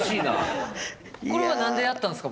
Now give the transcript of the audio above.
これは何でやったんですか？